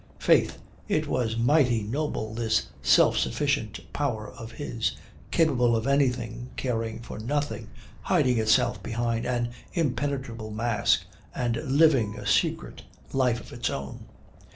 Faith, it was mighty noble, this self sufficient power of his, capable of anything, caring for nothing, hiding itself behind an impenetrable mask, and living a secret life of its own.